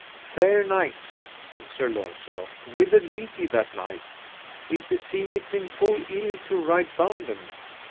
Fair knights, said Sir Launcelot, whither lead ye that knight? it beseemeth him full ill to ride bounden.